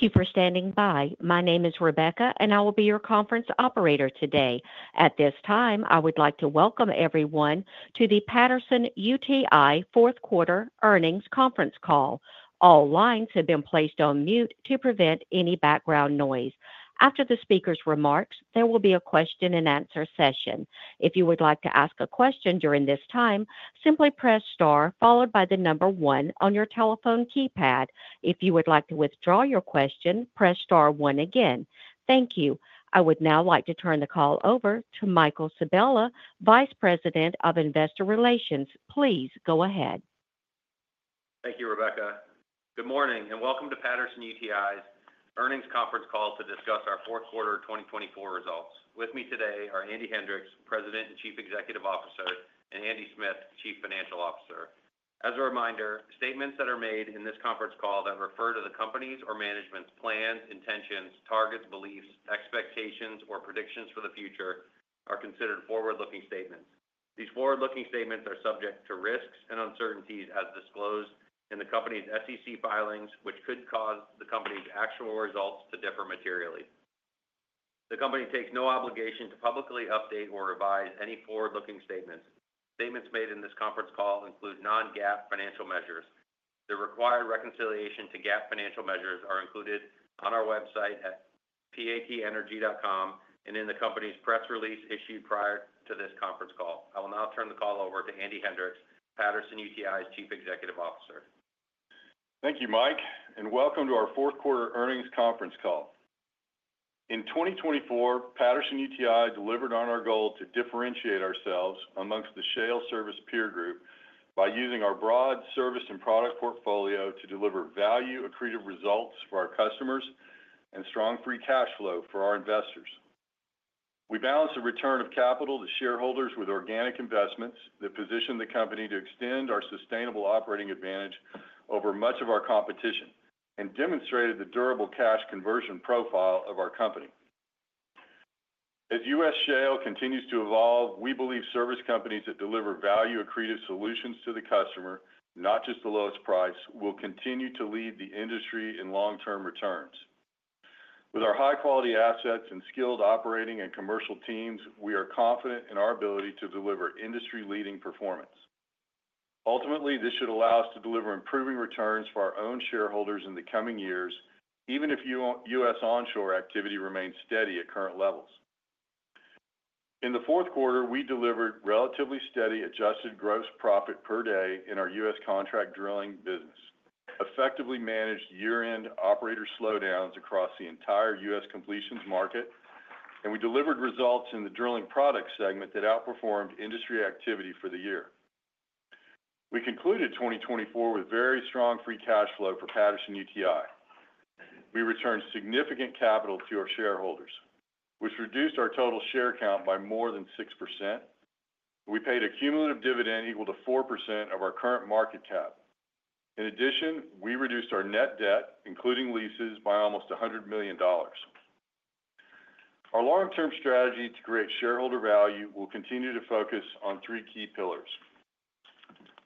Thank you for standing by. My name is Rebecca, and I will be your conference operator today. At this time, I would like to welcome everyone to the Patterson-UTI Q4 Earnings Conference Call. All lines have been placed on mute to prevent any background noise. After the speaker's remarks, there will be a question-and-answer session. If you would like to ask a question during this time, simply press star followed by the number one on your telephone keypad. If you would like to withdraw your question, press star one again. Thank you. I would now like to turn the call over to Michael Sabella, Vice President of Investor Relations. Please go ahead. Thank you, Rebecca. Good morning and welcome to Patterson-UTI's Earnings Conference Call to discuss our Q4 2024 Results. With me today are Andy Hendricks, President and Chief Executive Officer, and Andy Smith, Chief Financial Officer. As a reminder, statements that are made in this conference call that refer to the company's or management's plans, intentions, targets, beliefs, expectations, or predictions for the future are considered forward-looking statements. These forward-looking statements are subject to risks and uncertainties as disclosed in the company's SEC filings, which could cause the company's actual results to differ materially. The company takes no obligation to publicly update or revise any forward-looking statements. Statements made in this conference call include non-GAAP financial measures. The required reconciliation to GAAP financial measures are included on our website at patenergy.com and in the company's press release issued prior to this conference call. I will now turn the call over to Andy Hendricks, Patterson-UTI's Chief Executive Officer. Thank you, Mike, and welcome to our Q4 Earnings Conference Call. In 2024, Patterson-UTI delivered on our goal to differentiate ourselves amongst the shale service peer group by using our broad service and product portfolio to deliver value-accretive results for our customers and strong free cash flow for our investors. We balanced the return of capital to shareholders with organic investments that positioned the company to extend our sustainable operating advantage over much of our competition and demonstrated the durable cash conversion profile of our company. As U.S. shale continues to evolve, we believe service companies that deliver value-accretive solutions to the customer, not just the lowest price, will continue to lead the industry in long-term returns. With our high-quality assets and skilled operating and commercial teams, we are confident in our ability to deliver industry-leading performance. Ultimately, this should allow us to deliver improving returns for our own shareholders in the coming years, even if U.S. onshore activity remains steady at current levels. In the Q4, we delivered relatively steady adjusted gross profit per day in our U.S. contract drilling business, effectively managed year-end operator slowdowns across the entire U.S. completions market, and we delivered results in the drilling product segment that outperformed industry activity for the year. We concluded 2024 with very strong free cash flow for Patterson-UTI. We returned significant capital to our shareholders, which reduced our total share count by more than 6%. We paid a cumulative dividend equal to 4% of our current market cap. In addition, we reduced our net debt, including leases, by almost $100 million. Our long-term strategy to create shareholder value will continue to focus on three key pillars.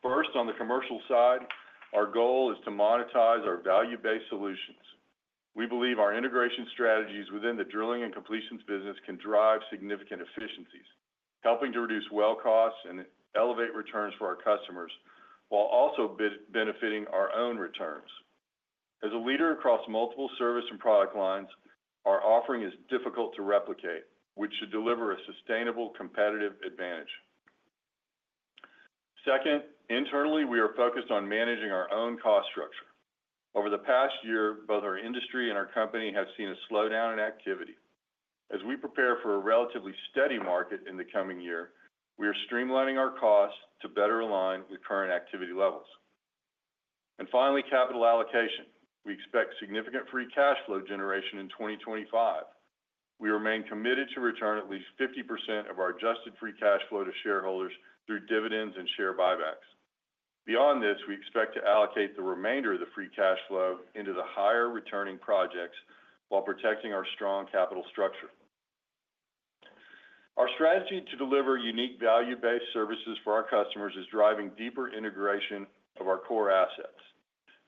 First, on the commercial side, our goal is to monetize our value-based solutions. We believe our integration strategies within the drilling and completions business can drive significant efficiencies, helping to reduce well costs and elevate returns for our customers while also benefiting our own returns. As a leader across multiple service and product lines, our offering is difficult to replicate, which should deliver a sustainable competitive advantage. Second, internally, we are focused on managing our own cost structure. Over the past year, both our industry and our company have seen a slowdown in activity. As we prepare for a relatively steady market in the coming year, we are streamlining our costs to better align with current activity levels. And finally, capital allocation. We expect significant free cash flow generation in 2025. We remain committed to return at least 50% of our adjusted free cash flow to shareholders through dividends and share buybacks. Beyond this, we expect to allocate the remainder of the free cash flow into the higher returning projects while protecting our strong capital structure. Our strategy to deliver unique value-based services for our customers is driving deeper integration of our core assets.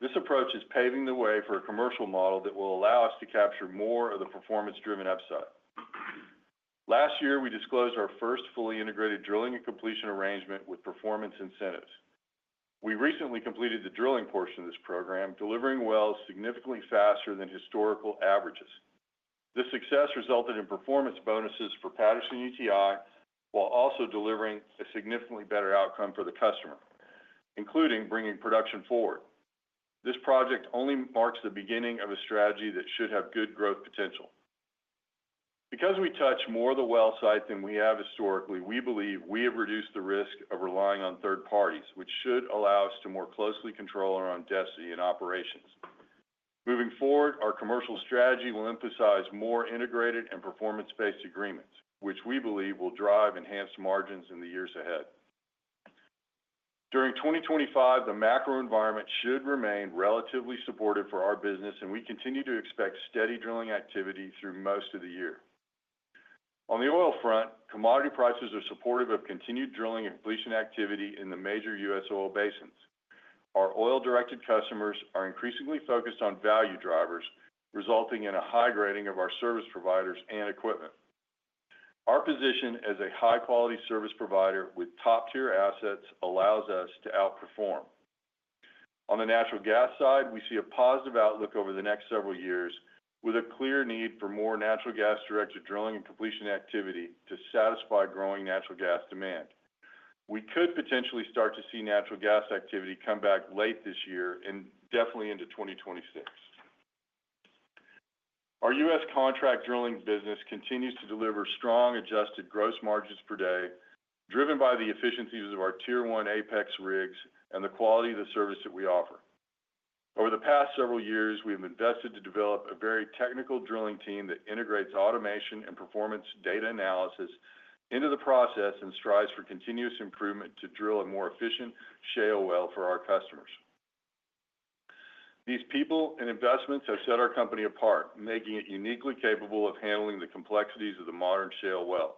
This approach is paving the way for a commercial model that will allow us to capture more of the performance-driven upside. Last year, we disclosed our first fully integrated drilling and completion arrangement with performance incentives. We recently completed the drilling portion of this program, delivering wells significantly faster than historical averages. This success resulted in performance bonuses for Patterson-UTI while also delivering a significantly better outcome for the customer, including bringing production forward. This project only marks the beginning of a strategy that should have good growth potential. Because we touch more of the well site than we have historically, we believe we have reduced the risk of relying on third parties, which should allow us to more closely control our own destiny and operations. Moving forward, our commercial strategy will emphasize more integrated and performance-based agreements, which we believe will drive enhanced margins in the years ahead. During 2025, the macro environment should remain relatively supportive for our business, and we continue to expect steady drilling activity through most of the year. On the oil front, commodity prices are supportive of continued drilling and completion activity in the major U.S. oil basins. Our oil-directed customers are increasingly focused on value drivers, resulting in a high rating of our service providers and equipment. Our position as a high-quality service provider with top-tier assets allows us to outperform. On the natural gas side, we see a positive outlook over the next several years, with a clear need for more natural gas-directed drilling and completion activity to satisfy growing natural gas demand. We could potentially start to see natural gas activity come back late this year and definitely into 2026. Our U.S. contract drilling business continues to deliver strong adjusted gross margins per day, driven by the efficiencies of our Tier-1 APEX rigs and the quality of the service that we offer. Over the past several years, we have invested to develop a very technical drilling team that integrates automation and performance data analysis into the process and strives for continuous improvement to drill a more efficient shale well for our customers. These people and investments have set our company apart, making it uniquely capable of handling the complexities of the modern shale well,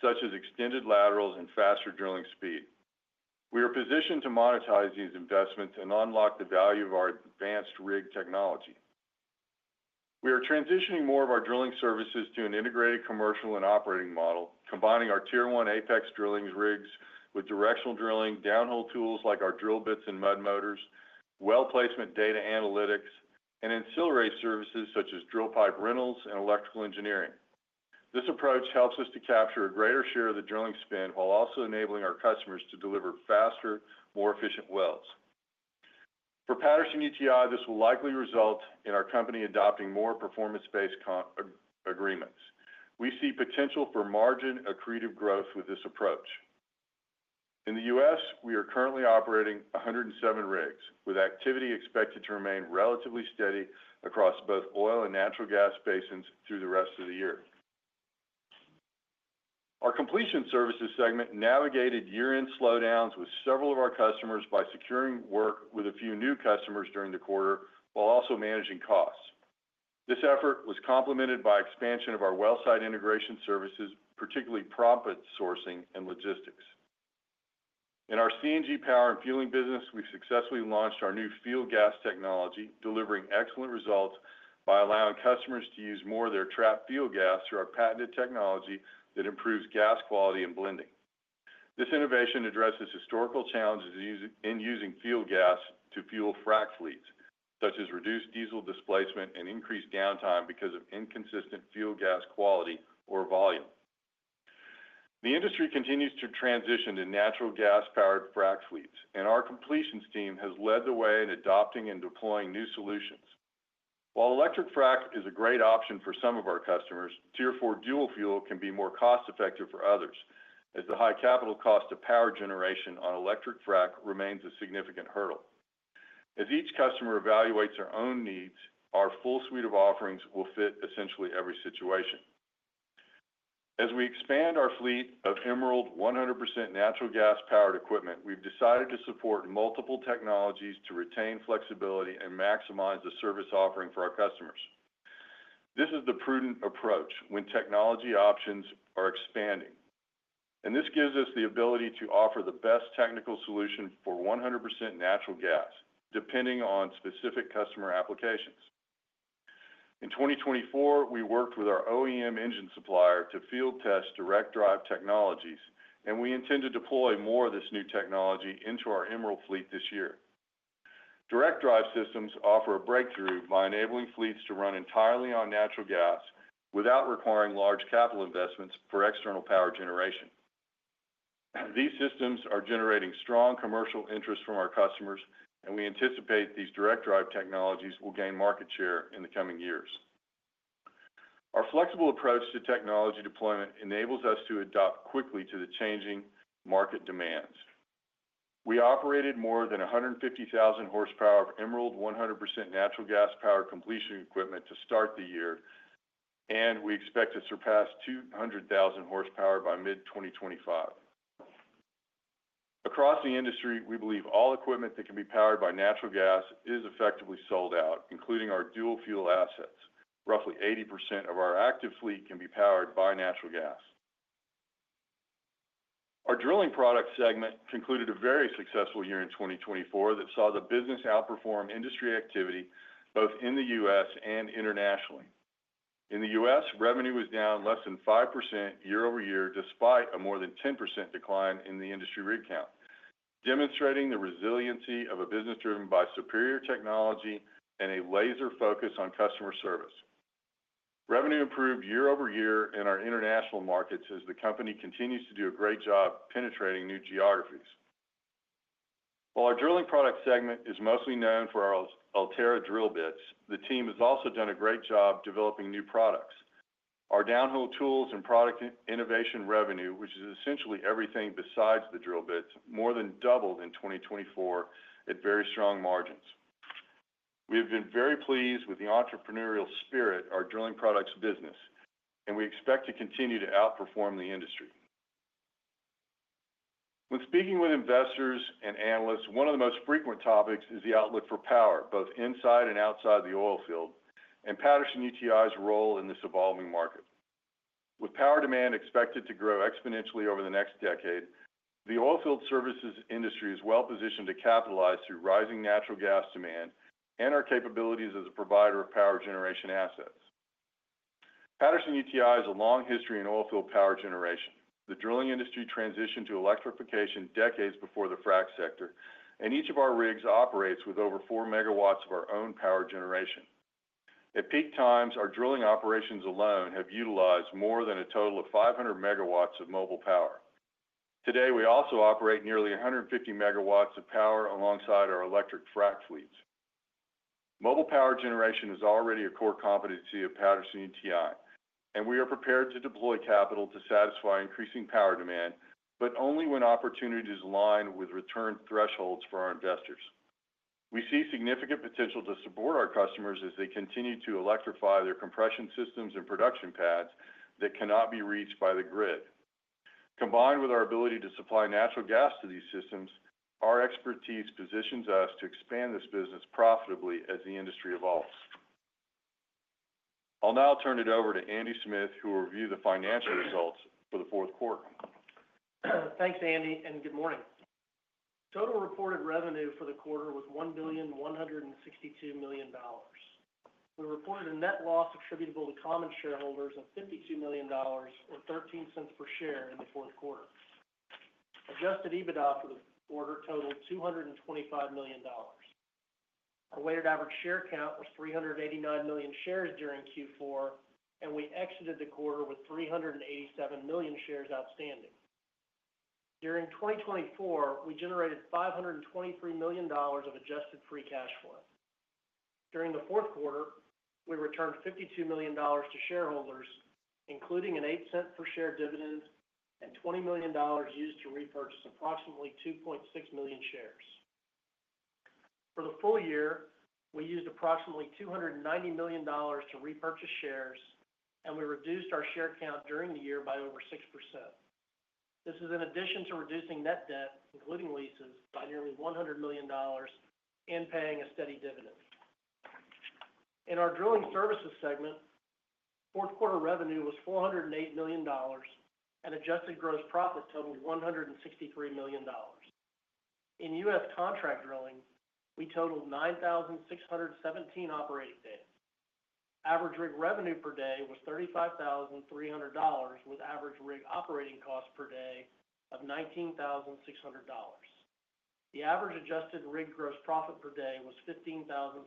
such as extended laterals and faster drilling speed. We are positioned to monetize these investments and unlock the value of our advanced rig technology. We are transitioning more of our drilling services to an integrated commercial and operating model, combining our Tier-1 APEX drilling rigs with directional drilling, downhole tools like our drill bits and mud motors, well placement data analytics, and ancillary services such as drill pipe rentals and electrical engineering. This approach helps us to capture a greater share of the drilling spend while also enabling our customers to deliver faster, more efficient wells. For Patterson-UTI, this will likely result in our company adopting more performance-based agreements. We see potential for margin-accretive growth with this approach. In the U.S., we are currently operating 107 rigs, with activity expected to remain relatively steady across both oil and natural gas basins through the rest of the year. Our completion services segment navigated year-end slowdowns with several of our customers by securing work with a few new customers during the quarter while also managing costs. This effort was complemented by expansion of our well site integration services, particularly proppant sourcing and logistics. In our CNG power and fueling business, we've successfully launched our new fuel gas technology, delivering excellent results by allowing customers to use more of their trapped fuel gas through our patented technology that improves gas quality and blending. This innovation addresses historical challenges in using fuel gas to fuel frac fleets, such as reduced diesel displacement and increased downtime because of inconsistent fuel gas quality or volume. The industry continues to transition to natural gas-powered frac fleets, and our completions team has led the way in adopting and deploying new solutions. While electric frac is a great option for some of our customers, Tier-4 dual fuel can be more cost-effective for others, as the high capital cost of power generation on electric frac remains a significant hurdle. As each customer evaluates their own needs, our full suite of offerings will fit essentially every situation. As we expand our fleet of Emerald 100% natural gas-powered equipment, we've decided to support multiple technologies to retain flexibility and maximize the service offering for our customers. This is the prudent approach when technology options are expanding, and this gives us the ability to offer the best technical solution for 100% natural gas, depending on specific customer applications. In 2024, we worked with our OEM engine supplier to field test direct drive technologies, and we intend to deploy more of this new technology into our Emerald fleet this year. Direct drive systems offer a breakthrough by enabling fleets to run entirely on natural gas without requiring large capital investments for external power generation. These systems are generating strong commercial interest from our customers, and we anticipate these direct drive technologies will gain market share in the coming years. Our flexible approach to technology deployment enables us to adapt quickly to the changing market demands. We operated more than 150,000 horsepower of Emerald 100% natural gas-powered completion equipment to start the year, and we expect to surpass 200,000 horsepower by mid-2025. Across the industry, we believe all equipment that can be powered by natural gas is effectively sold out, including our dual fuel assets. Roughly 80% of our active fleet can be powered by natural gas. Our drilling product segment concluded a very successful year in 2024 that saw the business outperform industry activity both in the U.S. and internationally. In the U.S., revenue was down less than 5% year-over-year, despite a more than 10% decline in the industry rig count, demonstrating the resiliency of a business driven by superior technology and a laser focus on customer service. Revenue improved year-over-year in our international markets as the company continues to do a great job penetrating new geographies. While our drilling product segment is mostly known for our Ulterra drill bits, the team has also done a great job developing new products. Our downhole tools and product innovation revenue, which is essentially everything besides the drill bits, more than doubled in 2024 at very strong margins. We have been very pleased with the entrepreneurial spirit of our drilling products business, and we expect to continue to outperform the industry. When speaking with investors and analysts, one of the most frequent topics is the outlook for power, both inside and outside the oil field, and Patterson-UTI's role in this evolving market. With power demand expected to grow exponentially over the next decade, the oil field services industry is well positioned to capitalize through rising natural gas demand and our capabilities as a provider of power generation assets. Patterson-UTI has a long history in oil field power generation. The drilling industry transitioned to electrification decades before the frac sector, and each of our rigs operates with over four megawatts of our own power generation. At peak times, our drilling operations alone have utilized more than a total of 500MW of mobile power. Today, we also operate nearly 15MW, of power alongside our electric frac fleets. Mobile power generation is already a core competency of Patterson-UTI, and we are prepared to deploy capital to satisfy increasing power demand, but only when opportunity is aligned with return thresholds for our investors. We see significant potential to support our customers as they continue to electrify their compression systems and production pads that cannot be reached by the grid. Combined with our ability to supply natural gas to these systems, our expertise positions us to expand this business profitably as the industry evolves. I'll now turn it over to Andy Smith, who will review the financial results for the Q4. Thanks, Andy, and good morning. Total reported revenue for the quarter was $1.162 million. We reported a net loss attributable to common shareholders of $52 million or $0.13 per share in the Q4. Adjusted EBITDA for the quarter totaled $225 million. Our weighted average share count was 389 million shares during Q4, and we exited the quarter with 387 million shares outstanding. During 2024, we generated $523 million of adjusted free cash flow. During the Q4, we returned $52 million to shareholders, including an $0.08 per share dividend and $20 million used to repurchase approximately 2.6 million shares. For the full year, we used approximately $290 million to repurchase shares, and we reduced our share count during the year by over 6%. This is in addition to reducing net debt, including leases, by nearly $100 million and paying a steady dividend. In our drilling services segment, Q4 revenue was $408 million, and adjusted gross profit totaled $163 million. In U.S. contract drilling, we totaled 9,617 operating days. Average rig revenue per day was $35,300, with average rig operating cost per day of $19,600. The average adjusted rig gross profit per day was $15,700.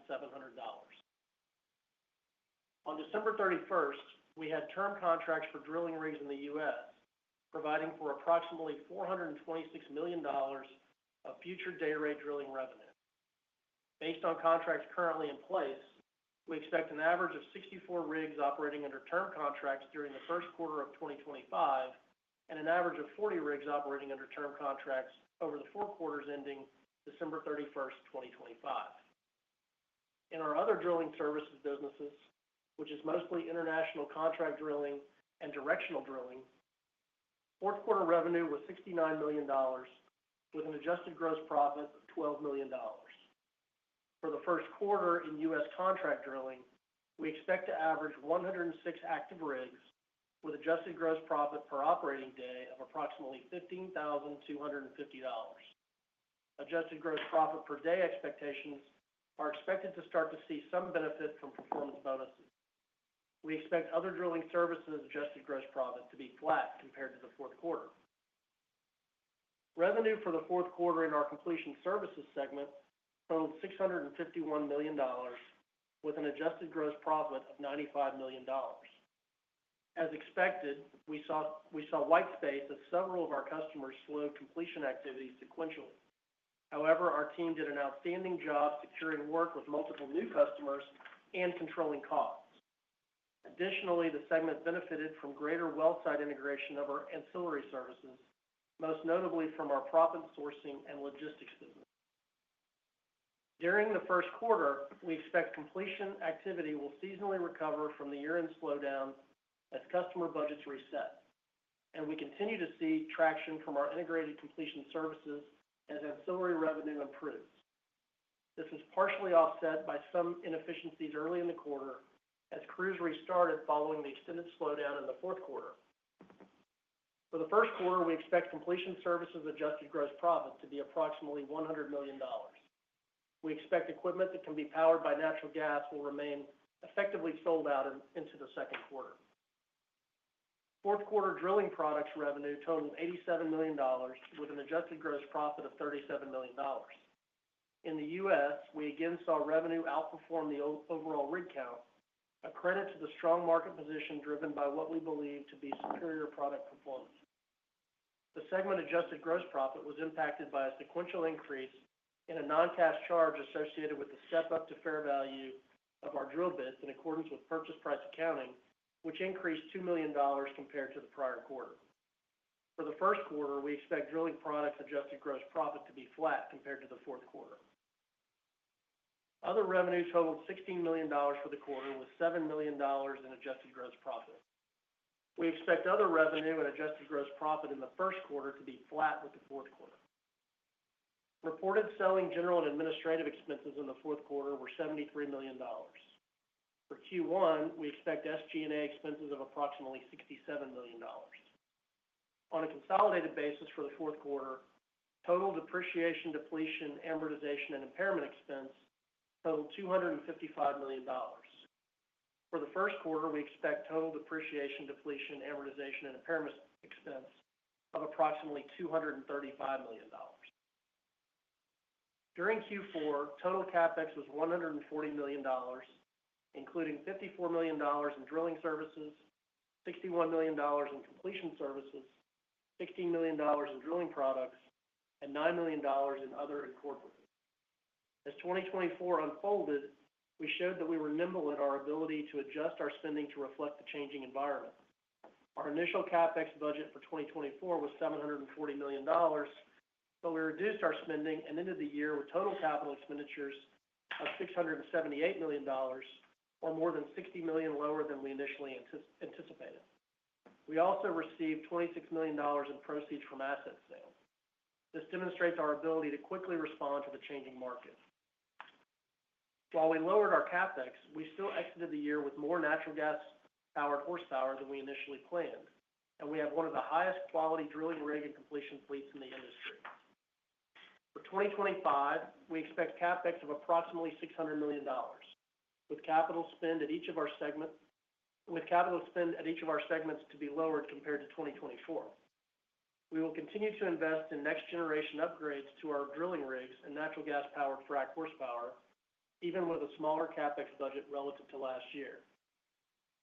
On December 31, we had term contracts for drilling rigs in the U.S., providing for approximately $426 million of future day rate drilling revenue. Based on contracts currently in place, we expect an average of 64 rigs operating under term contracts during the Q1 of 2025 and an average of 40 rigs operating under term contracts over the four quarters ending December 31, 2025. In our other drilling services businesses, which is mostly international contract drilling and directional drilling, Q4 revenue was $69 million, with an adjusted gross profit of $12 million. For the Q1 in U.S. contract drilling, we expect to average 106 active rigs, with adjusted gross profit per operating day of approximately $15,250. Adjusted gross profit per day expectations are expected to start to see some benefit from performance bonuses. We expect other drilling services' adjusted gross profit to be flat compared to the Q4. Revenue for the Q4 in our completion services segment totaled $651 million, with an adjusted gross profit of $95 million. As expected, we saw white space as several of our customers slowed completion activity sequentially. However, our team did an outstanding job securing work with multiple new customers and controlling costs. Additionally, the segment benefited from greater well site integration of our ancillary services, most notably from our proppant sourcing and logistics business. During the Q1, we expect completion activity will seasonally recover from the year-end slowdown as customer budgets reset, and we continue to see traction from our integrated completion services as ancillary revenue improves. This was partially offset by some inefficiencies early in the quarter as crews restarted following the extended slowdown in the Q4. For the Q1, we expect completion services' adjusted gross profit to be approximately $100 million. We expect equipment that can be powered by natural gas will remain effectively sold out into the Q2. Q4 drilling products revenue totaled $87 million, with an adjusted gross profit of $37 million. In the U.S., we again saw revenue outperform the overall rig count, a credit to the strong market position driven by what we believe to be superior product performance. The segment adjusted gross profit was impacted by a sequential increase in a non-cash charge associated with the step-up to fair value of our drill bits in accordance with purchase price accounting, which increased $2 million compared to the prior quarter. For the Q1, we expect drilling products' adjusted gross profit to be flat compared to the Q4. Other revenue totaled $16 million for the quarter, with $7 million in adjusted gross profit. We expect other revenue and adjusted gross profit in the Q1 to be flat with the Q4. Reported selling general and administrative expenses in the Q4 were $73 million. For Q1, we expect SG&A expenses of approximately $67 million. On a consolidated basis for the Q4, total depreciation, depletion, amortization, and impairment expense totaled $255 million. For the Q1, we expect total depreciation, depletion, amortization, and impairment expense of approximately $235 million. During Q4, total CapEx was $140 million, including $54 million in drilling services, $61 million in completion services, $16 million in drilling products, and $9 million in other and corporate. As 2024 unfolded, we showed that we were nimble in our ability to adjust our spending to reflect the changing environment. Our initial CapEx budget for 2024 was $740 million, but we reduced our spending and ended the year with total capital expenditures of $678 million, or more than $60 million lower than we initially anticipated. We also received $26 million in proceeds from asset sales. This demonstrates our ability to quickly respond to the changing market. While we lowered our CapEx, we still exited the year with more natural gas-powered horsepower than we initially planned, and we have one of the highest quality drilling rig and completion fleets in the industry. For 2025, we expect CapEx of approximately $600 million, with capital spent at each of our segments to be lowered compared to 2024. We will continue to invest in next-generation upgrades to our drilling rigs and natural gas-powered frac horsepower, even with a smaller CapEx budget relative to last year.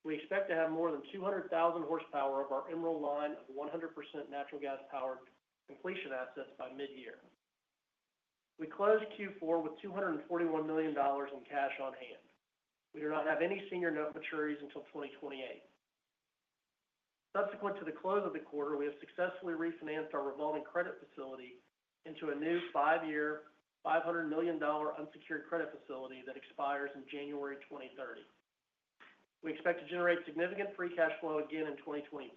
We expect to have more than 200,000 horsepower of our Emerald line of 100% natural gas-powered completion assets by mid-year. We closed Q4 with $241 million in cash on hand. We do not have any senior note maturities until 2028. Subsequent to the close of the quarter, we have successfully refinanced our revolving credit facility into a new five-year, $500 million unsecured credit facility that expires in January 2030. We expect to generate significant free cash flow again in 2025,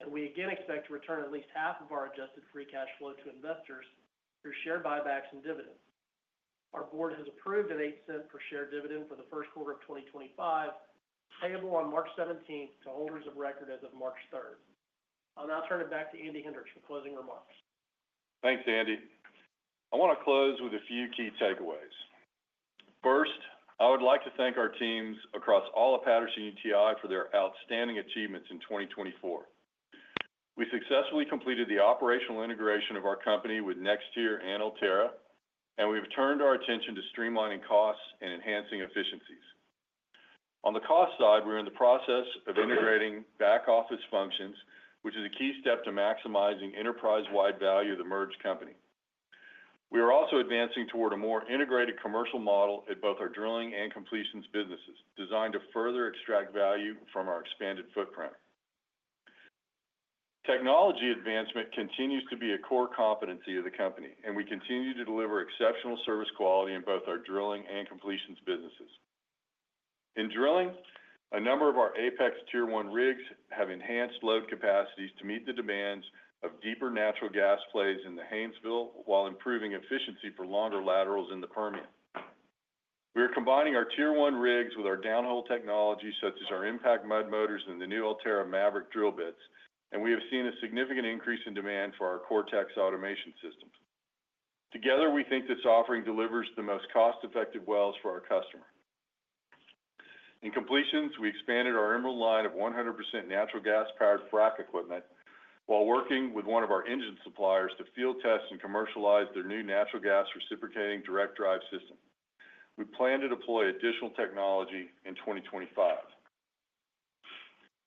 and we again expect to return at least half of our adjusted free cash flow to investors through share buybacks and dividends. Our board has approved an $0.08 per share dividend for the Q1 of 2025, payable on March 17 2025 to holders of record as of March 3 2025. I'll now turn it back to Andy Hendricks for closing remarks. Thanks, Andy. I want to close with a few key takeaways. First, I would like to thank our teams across all of Patterson-UTI for their outstanding achievements in 2024. We successfully completed the operational integration of our company with NexTier and Ulterra, and we have turned our attention to streamlining costs and enhancing efficiencies. On the cost side, we are in the process of integrating back-office functions, which is a key step to maximizing enterprise-wide value of the merged company. We are also advancing toward a more integrated commercial model at both our drilling and completions businesses, designed to further extract value from our expanded footprint. Technology advancement continues to be a core competency of the company, and we continue to deliver exceptional service quality in both our drilling and completions businesses. In drilling, a number of our APEX Tier 1 rigs have enhanced load capacities to meet the demands of deeper natural gas plays in the Haynesville while improving efficiency for longer laterals in the Permian. We are combining our Tier 1 rigs with our downhole technology, such as our Impact mud motors and the new Ulterra Maverick drill bits, and we have seen a significant increase in demand for our Cortex Automation systems. Together, we think this offering delivers the most cost-effective wells for our customer. In completions, we expanded our Emerald line of 100% natural gas-powered frac equipment while working with one of our engine suppliers to field test and commercialize their new natural gas reciprocating direct drive system. We plan to deploy additional technology in 2025.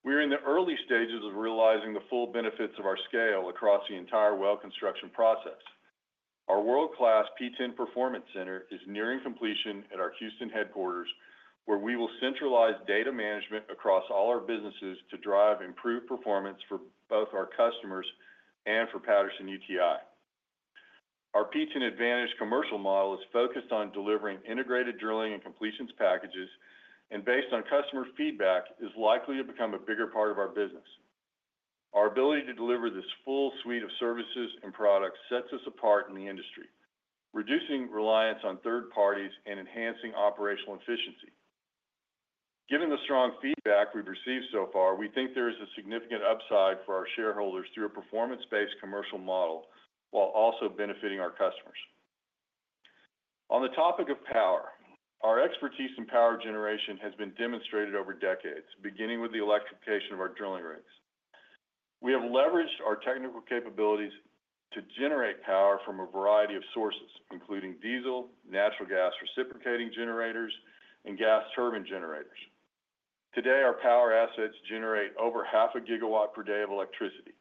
We are in the early stages of realizing the full benefits of our scale across the entire well construction process. Our world-class PTEN Performance Center is nearing completion at our Houston headquarters, where we will centralize data management across all our businesses to drive improved performance for both our customers and for Patterson-UTI. Our PTEN Advantage commercial model is focused on delivering integrated drilling and completions packages and, based on customer feedback, is likely to become a bigger part of our business. Our ability to deliver this full suite of services and products sets us apart in the industry, reducing reliance on third parties and enhancing operational efficiency. Given the strong feedback we've received so far, we think there is a significant upside for our shareholders through a performance-based commercial model while also benefiting our customers. On the topic of power, our expertise in power generation has been demonstrated over decades, beginning with the electrification of our drilling rigs. We have leveraged our technical capabilities to generate power from a variety of sources, including diesel, natural gas reciprocating generators, and gas turbine generators. Today, our power assets generate over half a gigawatt per day of electricity,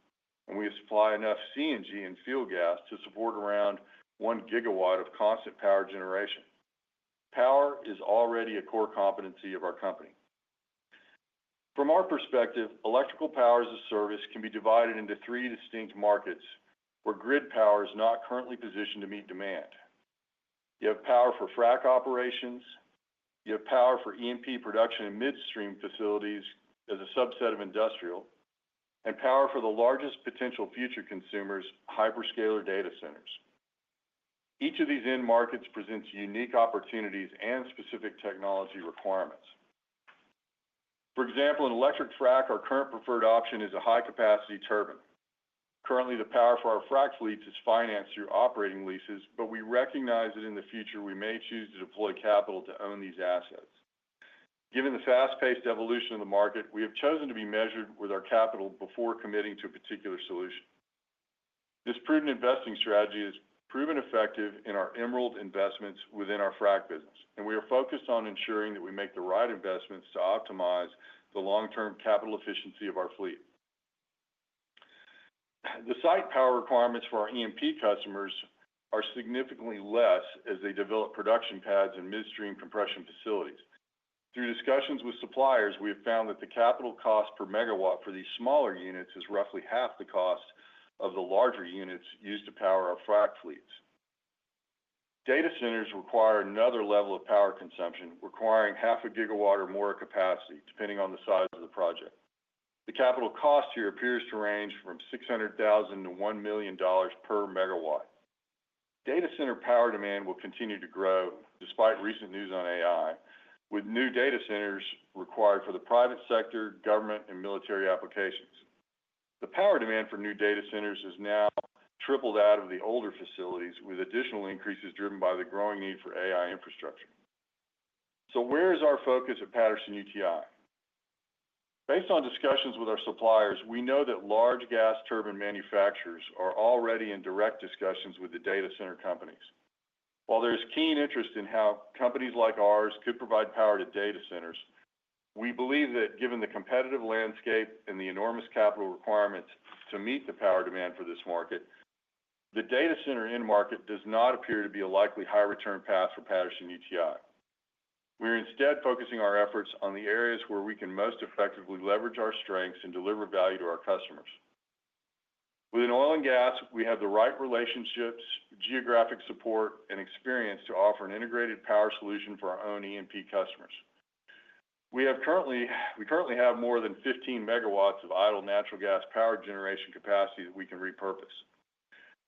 and we supply enough CNG and fuel gas to support around one gigawatt of constant power generation. Power is already a core competency of our company. From our perspective, electrical power as a service can be divided into three distinct markets where grid power is not currently positioned to meet demand. You have power for frac operations. You have power for E&P production in midstream facilities as a subset of industrial, and power for the largest potential future consumers, hyperscaler data centers. Each of these end markets presents unique opportunities and specific technology requirements. For example, in electric frac, our current preferred option is a high-capacity turbine. Currently, the power for our frac fleets is financed through operating leases, but we recognize that in the future we may choose to deploy capital to own these assets. Given the fast-paced evolution of the market, we have chosen to be measured with our capital before committing to a particular solution. This prudent investing strategy has proven effective in our Emerald investments within our frac business, and we are focused on ensuring that we make the right investments to optimize the long-term capital efficiency of our fleet. The site power requirements for our E&P customers are significantly less as they develop production pads in midstream compression facilities. Through discussions with suppliers, we have found that the capital cost per megawatt for these smaller units is roughly half the cost of the larger units used to power our frac fleets. Data centers require another level of power consumption, requiring 0.5 gigawatts or more capacity, depending on the size of the project. The capital cost here appears to range from $600,000-$1 million per megawatt. Data center power demand will continue to grow despite recent news on AI, with new data centers required for the private sector, government, and military applications. The power demand for new data centers has now tripled out of the older facilities, with additional increases driven by the growing need for AI infrastructure. So where is our focus at Patterson-UTI? Based on discussions with our suppliers, we know that large gas turbine manufacturers are already in direct discussions with the data center companies. While there is keen interest in how companies like ours could provide power to data centers, we believe that given the competitive landscape and the enormous capital requirements to meet the power demand for this market, the data center end market does not appear to be a likely high-return path for Patterson-UTI. We are instead focusing our efforts on the areas where we can most effectively leverage our strengths and deliver value to our customers. Within oil and gas, we have the right relationships, geographic support, and experience to offer an integrated power solution for our own E&P customers. We currently have more than 15MW of idle natural gas power generation capacity that we can repurpose.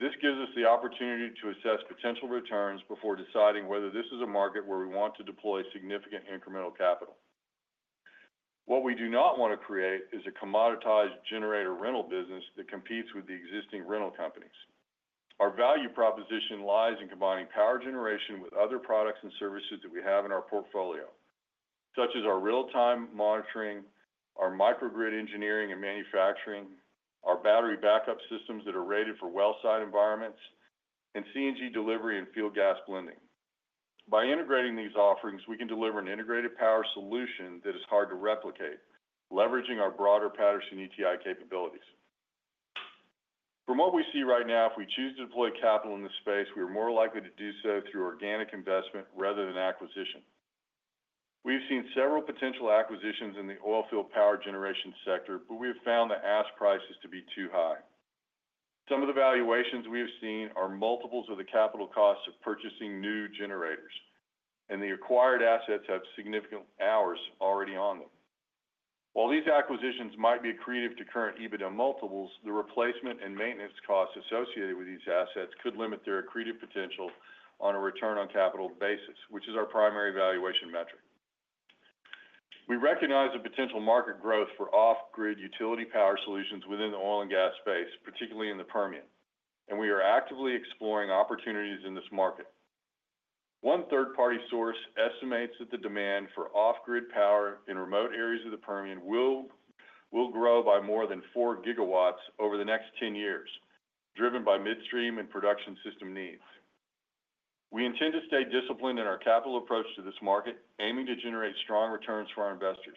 This gives us the opportunity to assess potential returns before deciding whether this is a market where we want to deploy significant incremental capital. What we do not want to create is a commoditized generator rental business that competes with the existing rental companies. Our value proposition lies in combining power generation with other products and services that we have in our portfolio, such as our real-time monitoring, our microgrid engineering and manufacturing, our battery backup systems that are rated for well-site environments, and CNG delivery and field gas blending. By integrating these offerings, we can deliver an integrated power solution that is hard to replicate, leveraging our broader Patterson-UTI capabilities. From what we see right now, if we choose to deploy capital in this space, we are more likely to do so through organic investment rather than acquisition. We have seen several potential acquisitions in the oil field power generation sector, but we have found the ask prices to be too high. Some of the valuations we have seen are multiples of the capital costs of purchasing new generators, and the acquired assets have significant hours already on them. While these acquisitions might be accretive to current EBITDA multiples, the replacement and maintenance costs associated with these assets could limit their accretive potential on a return on capital basis, which is our primary valuation metric. We recognize the potential market growth for off-grid utility power solutions within the oil and gas space, particularly in the Permian, and we are actively exploring opportunities in this market. One third-party source estimates that the demand for off-grid power in remote areas of the Permian will grow by more than four gigawatts over the next 10 years, driven by midstream and production system needs. We intend to stay disciplined in our capital approach to this market, aiming to generate strong returns for our investors.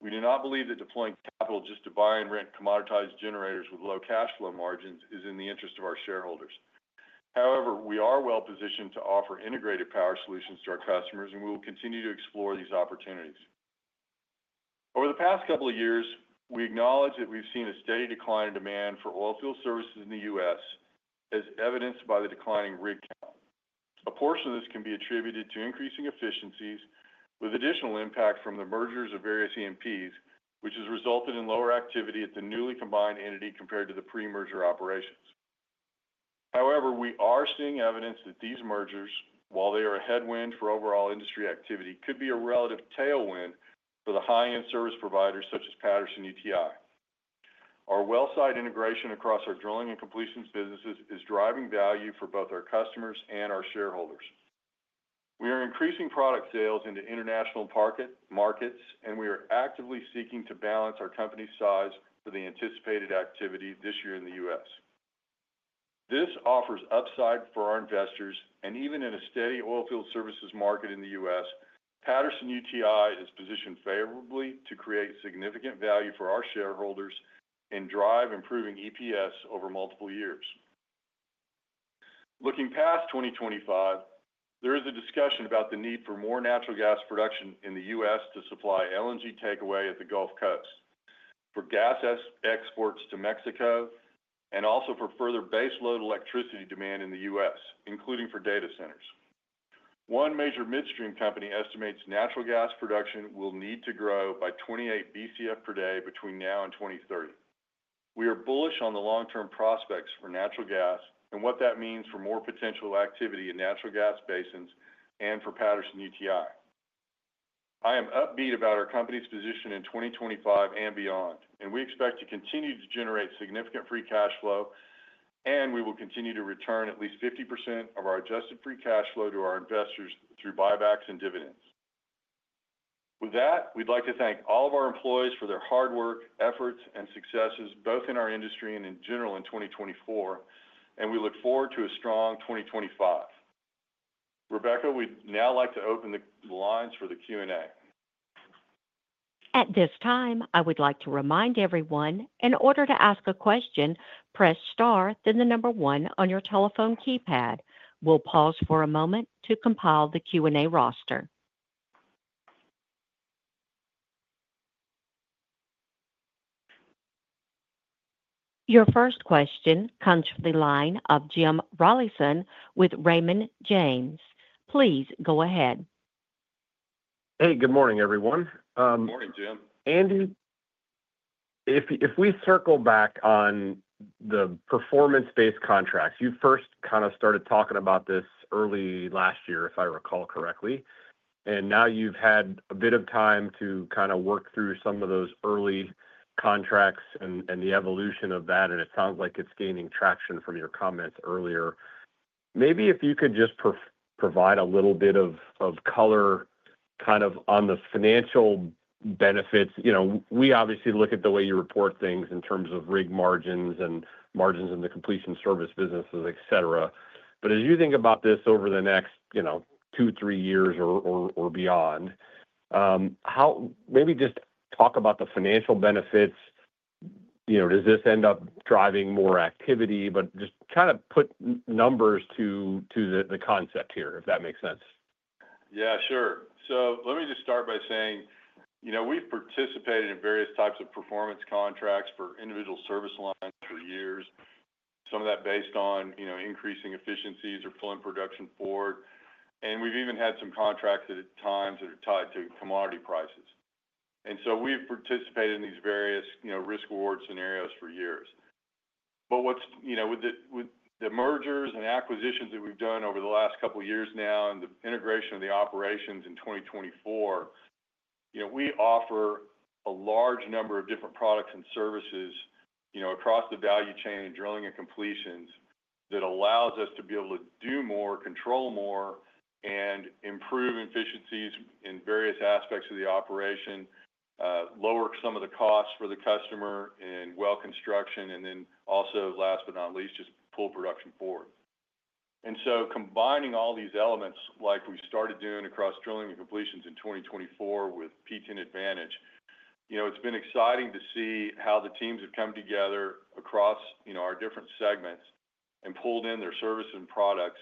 We do not believe that deploying capital just to buy and rent commoditized generators with low cash flow margins is in the interest of our shareholders. However, we are well positioned to offer integrated power solutions to our customers, and we will continue to explore these opportunities. Over the past couple of years, we acknowledge that we've seen a steady decline in demand for oil field services in the U.S., as evidenced by the declining rig count. A portion of this can be attributed to increasing efficiencies, with additional impact from the mergers of various E&Ps, which has resulted in lower activity at the newly combined entity compared to the pre-merger operations. However, we are seeing evidence that these mergers, while they are a headwind for overall industry activity, could be a relative tailwind for the high-end service providers such as Patterson-UTI. Our well-site integration across our drilling and completions businesses is driving value for both our customers and our shareholders. We are increasing product sales into international markets, and we are actively seeking to balance our company's size for the anticipated activity this year in the U.S. This offers upside for our investors, and even in a steady oil field services market in the U.S., Patterson-UTI is positioned favorably to create significant value for our shareholders and drive improving EPS over multiple years. Looking past 2025, there is a discussion about the need for more natural gas production in the U.S. to supply LNG takeaway at the Gulf Coast, for gas exports to Mexico, and also for further base load electricity demand in the U.S., including for data centers. One major midstream company estimates natural gas production will need to grow by 28 BCF per day between now and 2030. We are bullish on the long-term prospects for natural gas and what that means for more potential activity in natural gas basins and for Patterson-UTI. I am upbeat about our company's position in 2025 and beyond, and we expect to continue to generate significant free cash flow, and we will continue to return at least 50% of our adjusted free cash flow to our investors through buybacks and dividends. With that, we'd like to thank all of our employees for their hard work, efforts, and successes, both in our industry and in general in 2024, and we look forward to a strong 2025. Rebecca, we'd now like to open the lines for the Q&A. At this time, I would like to remind everyone, in order to ask a question, press star, then the number one on your telephone keypad. We'll pause for a moment to compile the Q&A roster. Your first question comes from the line of Jim Rollyson with Raymond James. Please go ahead. Hey, good morning, everyone. Good morning, Jim. Andy, if we circle back on the performance-based contracts, you first kind of started talking about this early last year, if I recall correctly, and now you've had a bit of time to kind of work through some of those early contracts and the evolution of that, and it sounds like it's gaining traction from your comments earlier. Maybe if you could just provide a little bit of color kind of on the financial benefits. We obviously look at the way you report things in terms of rig margins and margins in the completion service businesses, etc. But as you think about this over the next two, three years or beyond, maybe just talk about the financial benefits. Does this end up driving more activity? But just kind of put numbers to the concept here, if that makes sense. Yeah, sure. So let me just start by saying we've participated in various types of performance contracts for individual service lines for years, some of that based on increasing efficiencies or pulling production forward. And we've even had some contracts at times that are tied to commodity prices. And so we've participated in these various risk-reward scenarios for years. But with the mergers and acquisitions that we've done over the last couple of years now and the integration of the operations in 2024, we offer a large number of different products and services across the value chain and drilling and completions that allows us to be able to do more, control more, and improve efficiencies in various aspects of the operation, lower some of the costs for the customer in well construction, and then also, last but not least, just pull production forward. And so combining all these elements, like we started doing across drilling and completions in 2024 with PTEN Advantage, it's been exciting to see how the teams have come together across our different segments and pulled in their services and products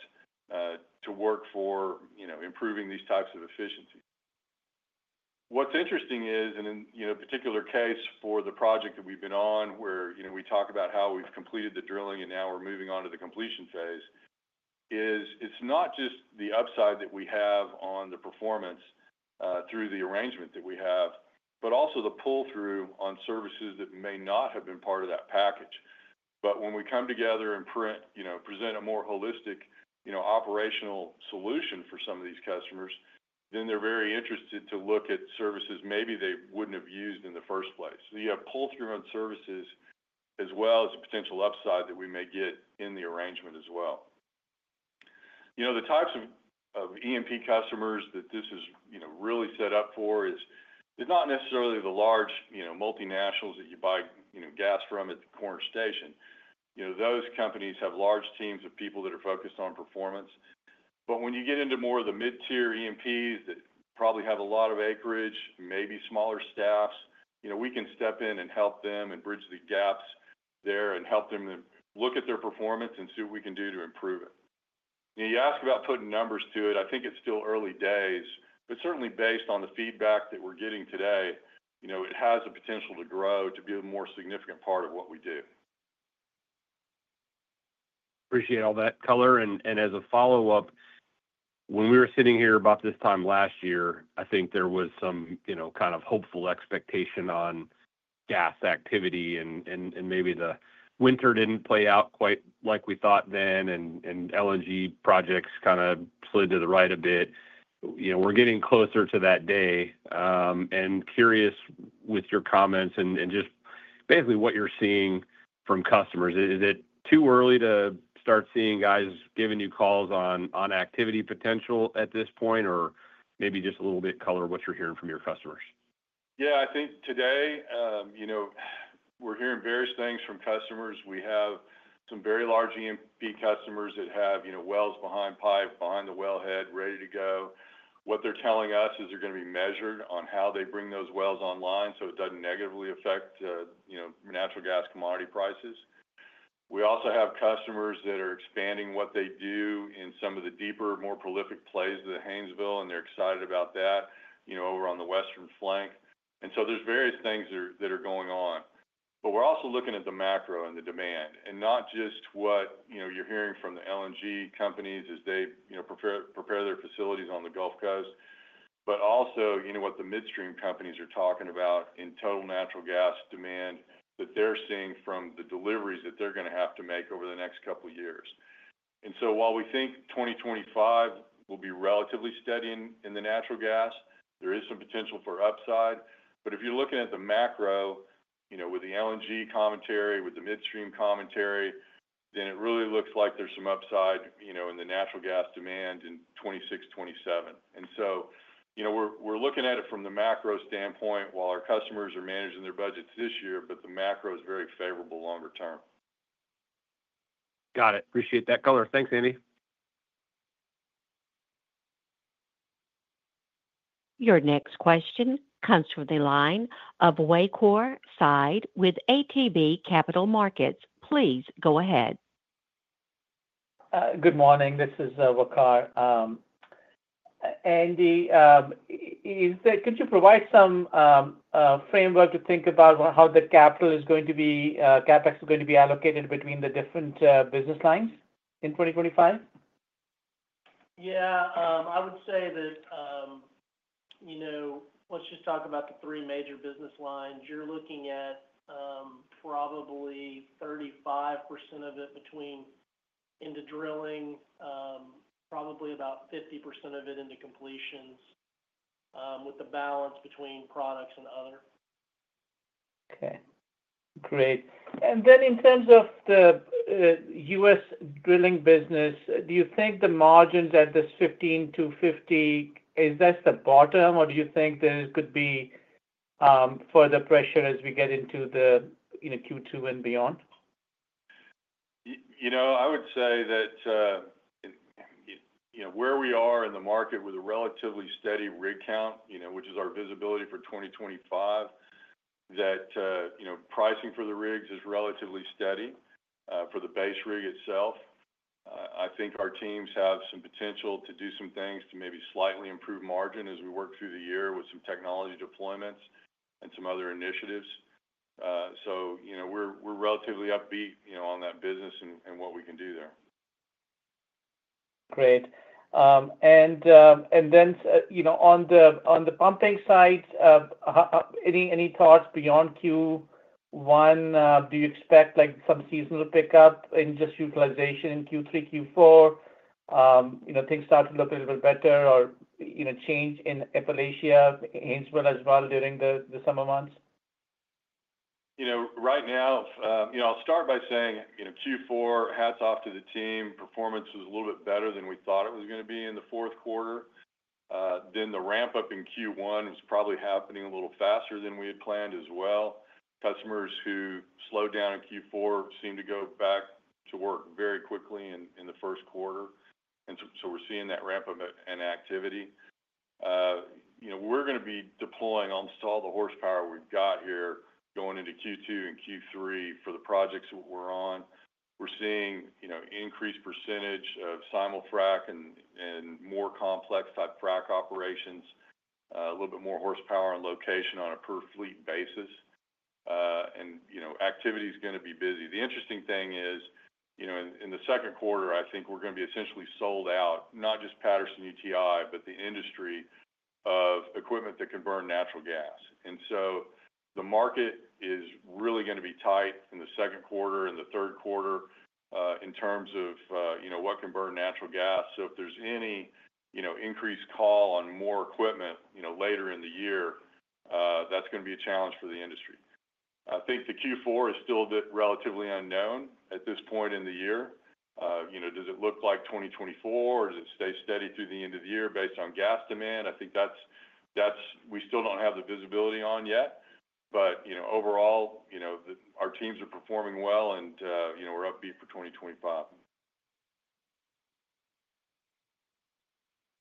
to work for improving these types of efficiencies. What's interesting is, and in a particular case for the project that we've been on, where we talk about how we've completed the drilling and now we're moving on to the completion phase, is it's not just the upside that we have on the performance through the arrangement that we have, but also the pull-through on services that may not have been part of that package. But when we come together and present a more holistic operational solution for some of these customers, then they're very interested to look at services maybe they wouldn't have used in the first place. So you have pull-through on services as well as a potential upside that we may get in the arrangement as well. The types of E&P customers that this is really set up for is not necessarily the large multinationals that you buy gas from at the corner station. Those companies have large teams of people that are focused on performance. But when you get into more of the mid-tier E&Ps that probably have a lot of acreage, maybe smaller staffs, we can step in and help them and bridge the gaps there and help them look at their performance and see what we can do to improve it. Now, you ask about putting numbers to it, I think it's still early days, but certainly based on the feedback that we're getting today, it has the potential to grow to be a more significant part of what we do. Appreciate all that color. And as a follow-up, when we were sitting here about this time last year, I think there was some kind of hopeful expectation on gas activity and maybe the winter didn't play out quite like we thought then, and LNG projects kind of slid to the right a bit. We're getting closer to that day. And, curious with your comments and just basically what you're seeing from customers. Is it too early to start seeing guys giving you calls on activity potential at this point, or maybe just a little bit color what you're hearing from your customers? Yeah, I think today we're hearing various things from customers. We have some very large E&P customers that have wells behind pipe, behind the wellhead, ready to go. What they're telling us is they're going to be measured on how they bring those wells online so it doesn't negatively affect natural gas commodity prices. We also have customers that are expanding what they do in some of the deeper, more prolific plays of the Haynesville, and they're excited about that over on the western flank, and so there's various things that are going on, but we're also looking at the macro and the demand, and not just what you're hearing from the LNG companies as they prepare their facilities on the Gulf Coast, but also what the midstream companies are talking about in total natural gas demand that they're seeing from the deliveries that they're going to have to make over the next couple of years, and so while we think 2025 will be relatively steady in the natural gas, there is some potential for upside. But if you're looking at the macro with the LNG commentary, with the midstream commentary, then it really looks like there's some upside in the natural gas demand in 2026, 2027. And so we're looking at it from the macro standpoint while our customers are managing their budgets this year, but the macro is very favorable longer term. Got it. Appreciate that color. Thanks, Andy. Your next question comes from the line of Waqar Syed with ATB Capital Markets. Please go ahead. Good morning. This is Waqar. Andy, could you provide some framework to think about how the CapEx is going to be allocated between the different business lines in 2025? Yeah. I would say that let's just talk about the three major business lines. You're looking at probably 35% of it between into drilling, probably about 50% of it into completions with the balance between products and other. Okay. Great. And then in terms of the US drilling business, do you think the margins at this 15%-50%, is that the bottom, or do you think there could be further pressure as we get into the Q2 and beyond? I would say that where we are in the market with a relatively steady rig count, which is our visibility for 2025, that pricing for the rigs is relatively steady for the base rig itself. I think our teams have some potential to do some things to maybe slightly improve margin as we work through the year with some technology deployments and some other initiatives. So we're relatively upbeat on that business and what we can do there. Great. And then on the pumping side, any thoughts beyond Q1? Do you expect some seasonal pickup in just utilization in Q3, Q4? Things start to look a little bit better or change in Appalachia, Haynesville as well during the summer months? Right now, I'll start by saying Q4, hats off to the team. Performance was a little bit better than we thought it was going to be in the Q4. Then the ramp-up in Q1 was probably happening a little faster than we had planned as well. Customers who slowed down in Q4 seemed to go back to work very quickly in the Q1. And so we're seeing that ramp-up in activity. We're going to be deploying almost all the horsepower we've got here going into Q2 and Q3 for the projects that we're on. We're seeing an increased percentage of Simul-Frac and more complex type frac operations, a little bit more horsepower and location on a per-fleet basis, and activity is going to be busy. The interesting thing is, in the Q2, I think we're going to be essentially sold out, not just Patterson-UTI, but the industry of equipment that can burn natural gas, and so the market is really going to be tight in the Q2 and the Q3 in terms of what can burn natural gas. So if there's any increased call on more equipment later in the year, that's going to be a challenge for the industry. I think the Q4 is still relatively unknown at this point in the year. Does it look like 2024, or does it stay steady through the end of the year based on gas demand? I think we still don't have the visibility on yet, but overall, our teams are performing well, and we're upbeat for 2025.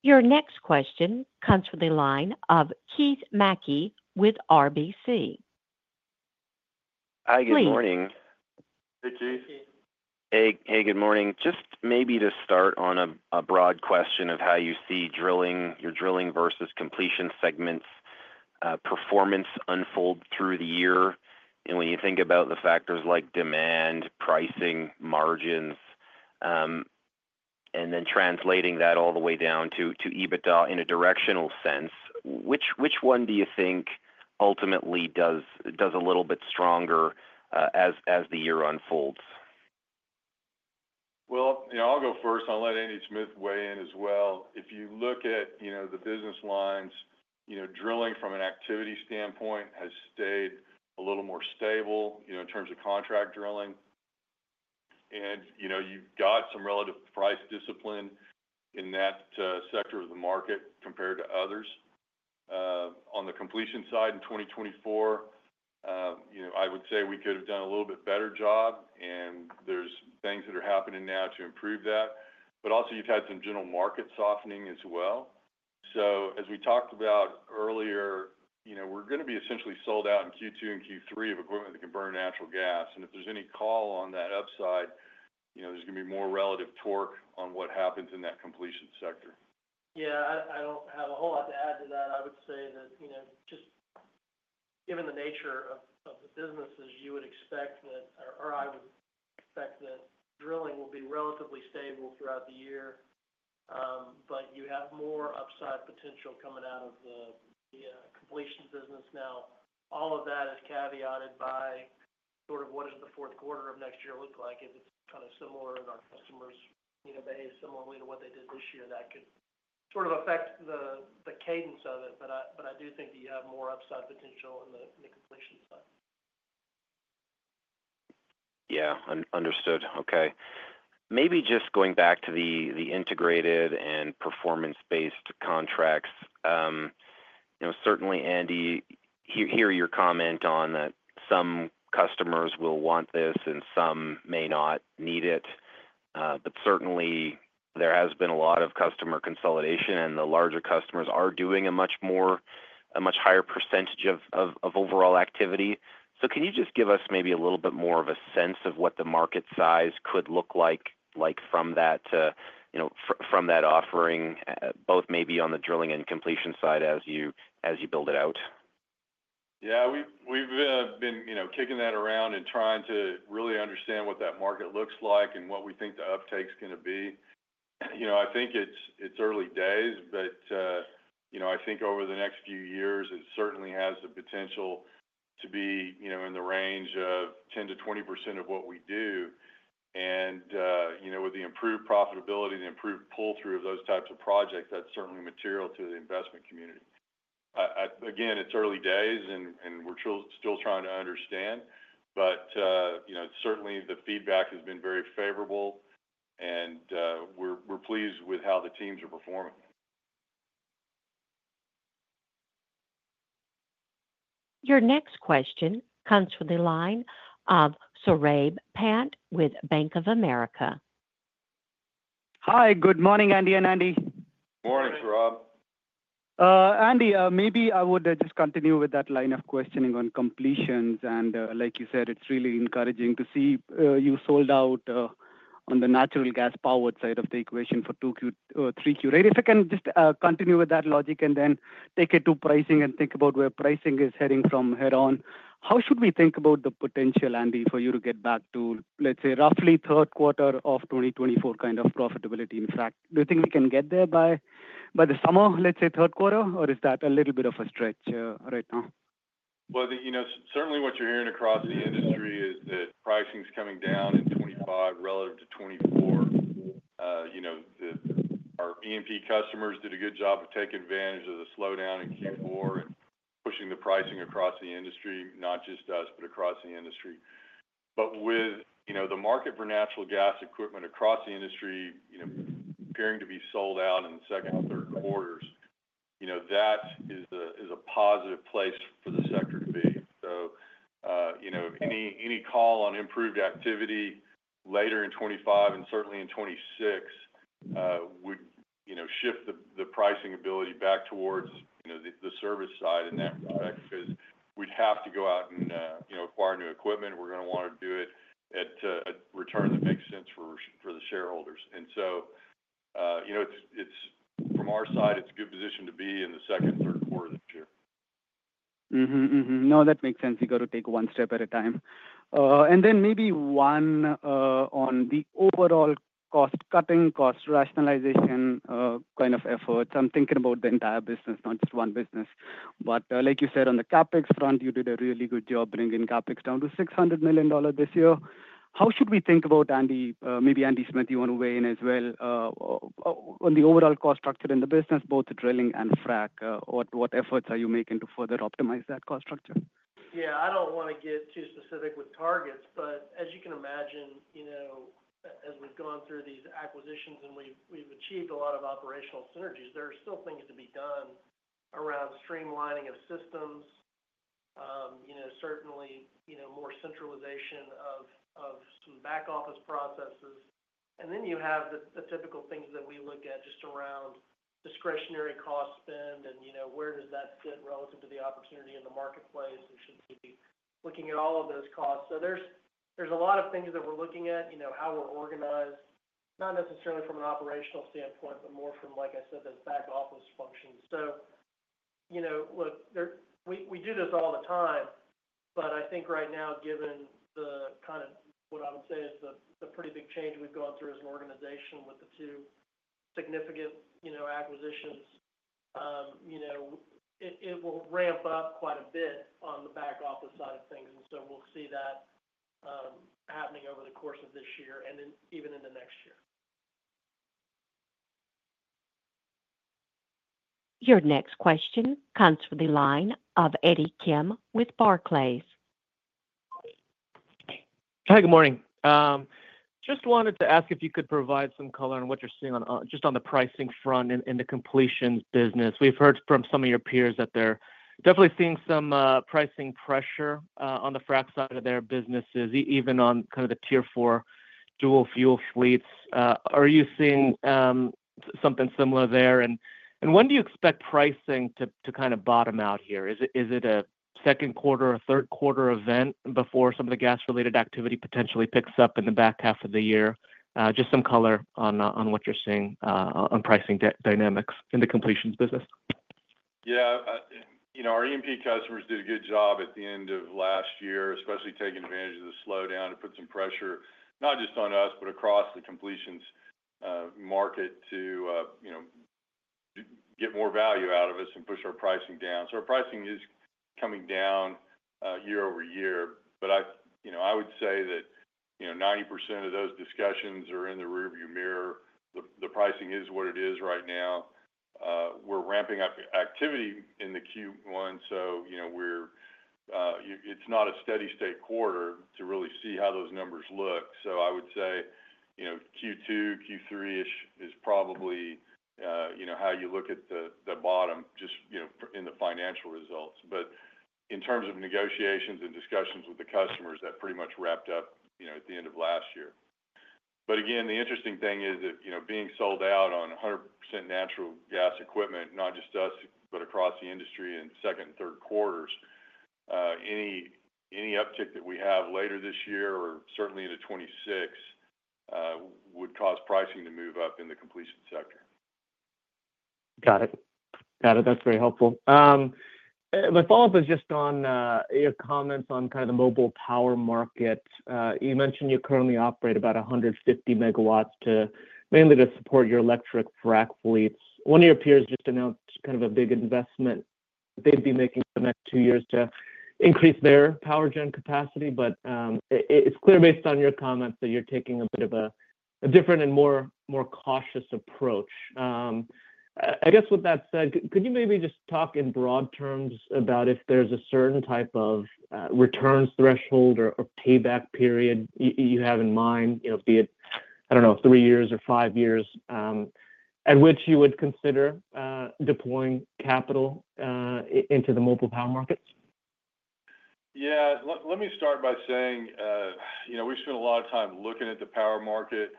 Your next question comes from the line of Keith Mackey with RBC. Hi, good morning. Hey, Keith. Hey, good morning. Just maybe to start on a broad question of how you see your drilling versus completion segments' performance unfold through the year and when you think about the factors like demand, pricing, margins, and then translating that all the way down to EBITDA in a directional sense, which one do you think ultimately does a little bit stronger as the year unfolds? Well, I'll go first. I'll let Andy Smith weigh in as well. If you look at the business lines, drilling from an activity standpoint has stayed a little more stable in terms of contract drilling. And you've got some relative price discipline in that sector of the market compared to others. On the completion side in 2024, I would say we could have done a little bit better job, and there's things that are happening now to improve that. But also, you've had some general market softening as well. So as we talked about earlier, we're going to be essentially sold out in Q2 and Q3 of equipment that can burn natural gas. And if there's any call on that upside, there's going to be more relative torque on what happens in that completion sector. Yeah. I don't have a whole lot to add to that. I would say that just given the nature of the businesses, you would expect that, or I would expect that drilling will be relatively stable throughout the year, but you have more upside potential coming out of the completion business now. All of that is caveated by sort of what does the Q4 of next year look like if it's kind of similar in our customers' behavior, similarly to what they did this year. That could sort of affect the cadence of it, but I do think that you have more upside potential in the completion side. Yeah. Understood. Okay. Maybe just going back to the integrated and performance-based contracts, certainly, Andy, hear your comment on that some customers will want this and some may not need it. Certainly, there has been a lot of customer consolidation, and the larger customers are doing a much higher percentage of overall activity. So can you just give us maybe a little bit more of a sense of what the market size could look like from that offering, both maybe on the drilling and completion side as you build it out? Yeah. We've been kicking that around and trying to really understand what that market looks like and what we think the uptake is going to be. I think it's early days, but I think over the next few years, it certainly has the potential to be in the range of 10%-20% of what we do. And with the improved profitability, the improved pull-through of those types of projects, that's certainly material to the investment community. Again, it's early days, and we're still trying to understand. But certainly, the feedback has been very favorable, and we're pleased with how the teams are performing. Your next question comes from the line of Saurabh Pant with Bank of America. Hi. Good morning, Andy and Andy. Morning, Saurabh. Andy, maybe I would just continue with that line of questioning on completions. And like you said, it's really encouraging to see you sold out on the natural gas-powered side of the equation for Q3 2024. If I can just continue with that logic and then take it to pricing and think about where pricing is heading from here on, how should we think about the potential, Andy, for you to get back to, let's say, roughly Q3 of 2024 kind of profitability? In fact, do you think we can get there by the summer, let's say, Q3, or is that a little bit of a stretch right now? Certainly, what you're hearing across the industry is that pricing is coming down in 2025 relative to 2024. Our E&P customers did a good job of taking advantage of the slowdown in Q4 and pushing the pricing across the industry, not just us, but across the industry. With the market for natural gas equipment across the industry appearing to be sold out in the second and Q3s, that is a positive place for the sector to be. Any call on improved activity later in 2025 and certainly in 2026 would shift the pricing ability back towards the service side in that respect because we'd have to go out and acquire new equipment. We're going to want to do it at a return that makes sense for the shareholders. And so from our side, it's a good position to be in the second and Q3 of this year. No, that makes sense. You got to take one step at a time. And then maybe one on the overall cost-cutting, cost rationalization kind of efforts. I'm thinking about the entire business, not just one business. But like you said, on the CapEx front, you did a really good job bringing CapEx down to $600 million this year. How should we think about, Andy? Maybe Andy Smith, you want to weigh in as well on the overall cost structure in the business, both drilling and frac? What efforts are you making to further optimize that cost structure? Yeah. I don't want to get too specific with targets, but as you can imagine, as we've gone through these acquisitions and we've achieved a lot of operational synergies, there are still things to be done around streamlining of systems, certainly more centralization of some back-office processes. And then you have the typical things that we look at just around discretionary cost spend and where does that fit relative to the opportunity in the marketplace and should we be looking at all of those costs. So there's a lot of things that we're looking at, how we're organized, not necessarily from an operational standpoint, but more from, like I said, those back-office functions. So look, we do this all the time, but I think right now, given the kind of what I would say is the pretty big change we've gone through as an organization with the two significant acquisitions, it will ramp up quite a bit on the back-office side of things, and so we'll see that happening over the course of this year and even in the next year. Your next question comes from the line of Eddie Kim with Barclays. Hi, good morning. Just wanted to ask if you could provide some color on what you're seeing just on the pricing front and the completions business. We've heard from some of your peers that they're definitely seeing some pricing pressure on the frac side of their businesses, even on kind of the Tier 4 dual fuel fleets. Are you seeing something similar there? And when do you expect pricing to kind of bottom out here? Is it a Q2 or Q3 event before some of the gas-related activity potentially picks up in the back half of the year? Just some color on what you're seeing on pricing dynamics in the completions business. Yeah. Our E&P customers did a good job at the end of last year, especially taking advantage of the slowdown to put some pressure, not just on us, but across the completions market to get more value out of us and push our pricing down. So our pricing is coming down year-over-year. But I would say that 90% of those discussions are in the rearview mirror. The pricing is what it is right now. We're ramping up activity in the Q1, so it's not a steady-state quarter to really see how those numbers look. So, I would say Q2, Q3-ish is probably how you look at the bottom just in the financial results. But in terms of negotiations and discussions with the customers, that pretty much wrapped up at the end of last year. But again, the interesting thing is that being sold out on 100% natural gas equipment, not just us, but across the industry in second and Q3s, any uptick that we have later this year or certainly into 2026 would cause pricing to move up in the completion sector. Got it. Got it. That's very helpful. My follow-up is just on your comments on kind of the mobile power market. You mentioned you currently operate about 150MW mainly to support your electric frac fleets. One of your peers just announced kind of a big investment they'd be making in the next two years to increase their power gen capacity. But it's clear based on your comments that you're taking a bit of a different and more cautious approach. I guess with that said, could you maybe just talk in broad terms about if there's a certain type of return threshold or payback period you have in mind, be it, I don't know, three years or five years, at which you would consider deploying capital into the mobile power markets? Yeah. Let me start by saying we spend a lot of time looking at the power market.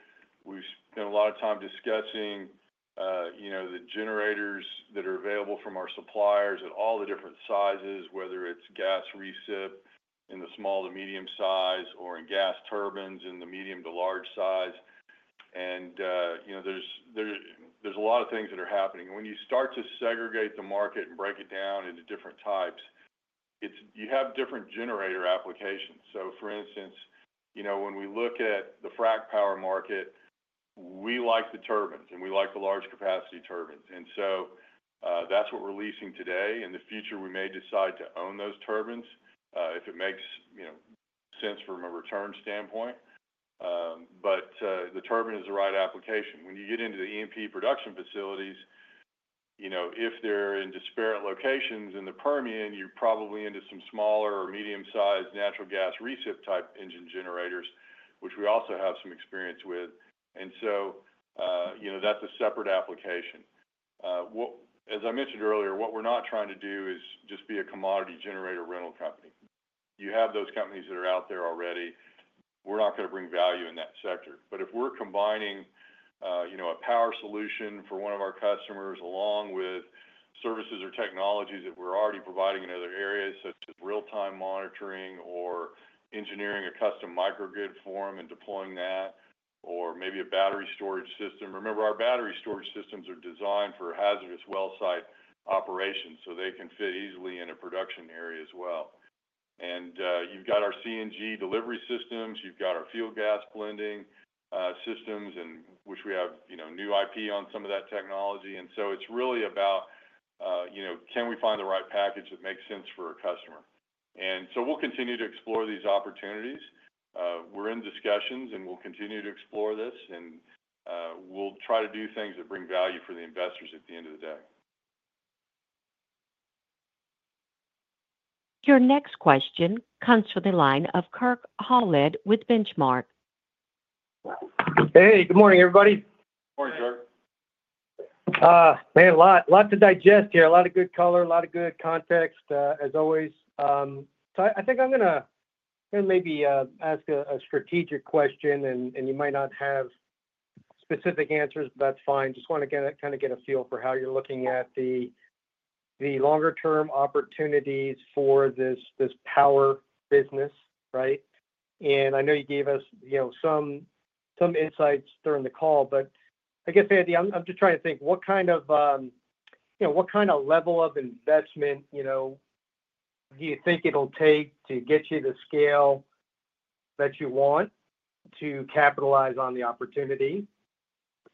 We spend a lot of time discussing the generators that are available from our suppliers at all the different sizes, whether it's gas recip in the small to medium size or in gas turbines in the medium to large size. And there's a lot of things that are happening. And when you start to segregate the market and break it down into different types, you have different generator applications. So for instance, when we look at the frac power market, we like the turbines, and we like the large capacity turbines. And so that's what we're leasing today. In the future, we may decide to own those turbines if it makes sense from a return standpoint. But the turbine is the right application. When you get into the E&P production facilities, if they're in disparate locations in the Permian, you're probably into some smaller or medium-sized natural gas recip type engine generators, which we also have some experience with. And so that's a separate application. As I mentioned earlier, what we're not trying to do is just be a commodity generator rental company. You have those companies that are out there already. We're not going to bring value in that sector, but if we're combining a power solution for one of our customers along with services or technologies that we're already providing in other areas, such as real-time monitoring or engineering a custom microgrid form and deploying that, or maybe a battery storage system. Remember, our battery storage systems are designed for hazardous well site operations, so they can fit easily in a production area as well, and you've got our CNG delivery systems. You've got our fuel gas blending systems, which we have new IP on some of that technology, and so it's really about, can we find the right package that makes sense for a customer, and so we'll continue to explore these opportunities. We're in discussions, and we'll continue to explore this. And we'll try to do things that bring value for the investors at the end of the day. Your next question comes from the line of Kurt Hallead with Benchmark. Hey. Good morning, everybody. Morning, Kurt. Man, a lot to digest here. A lot of good color, a lot of good context, as always. So I think I'm going to maybe ask a strategic question, and you might not have specific answers, but that's fine. Just want to kind of get a feel for how you're looking at the longer-term opportunities for this power business, right? And I know you gave us some insights during the call, but I guess, Andy, I'm just trying to think what kind of level of investment do you think it'll take to get you the scale that you want to capitalize on the opportunity?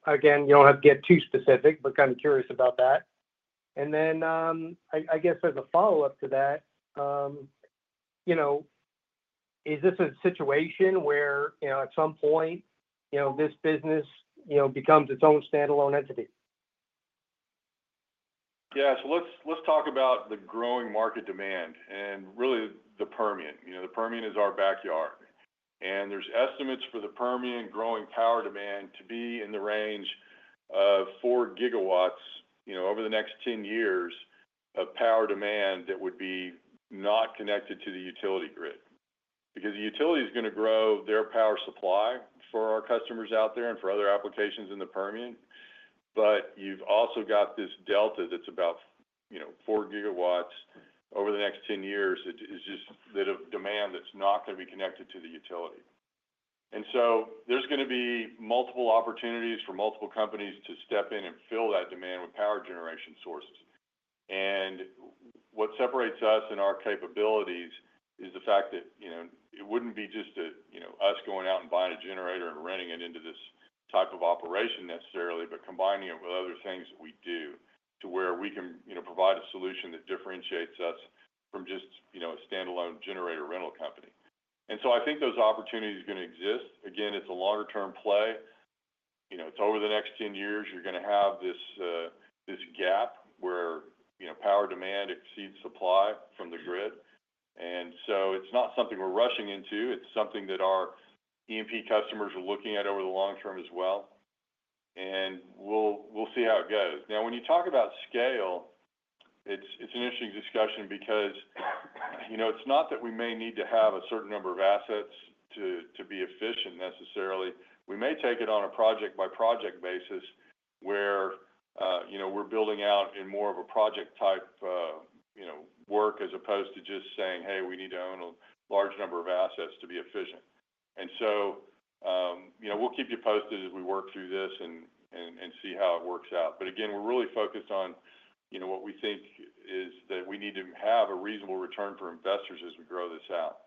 Again, you don't have to get too specific, but kind of curious about that. And then I guess as a follow-up to that, is this a situation where at some point this business becomes its own standalone entity? Yeah. So let's talk about the growing market demand and really the Permian. The Permian is our backyard. And there's estimates for the Permian growing power demand to be in the range of four gigawatts over the next 10 years of power demand that would be not connected to the utility grid. Because the utility is going to grow their power supply for our customers out there and for other applications in the Permian. But you've also got this delta that's about four gigawatts over the next 10 years that is just a bit of demand that's not going to be connected to the utility. And so there's going to be multiple opportunities for multiple companies to step in and fill that demand with power generation sources. And what separates us and our capabilities is the fact that it wouldn't be just us going out and buying a generator and running it into this type of operation necessarily, but combining it with other things that we do to where we can provide a solution that differentiates us from just a standalone generator rental company. And so I think those opportunities are going to exist. Again, it's a longer-term play. It's over the next 10 years. You're going to have this gap where power demand exceeds supply from the grid. And so it's not something we're rushing into. It's something that our E&P customers are looking at over the long term as well. And we'll see how it goes. Now, when you talk about scale, it's an interesting discussion because it's not that we may need to have a certain number of assets to be efficient necessarily. We may take it on a project-by-project basis where we're building out in more of a project-type work as opposed to just saying, "Hey, we need to own a large number of assets to be efficient," and so we'll keep you posted as we work through this and see how it works out, but again, we're really focused on what we think is that we need to have a reasonable return for investors as we grow this out.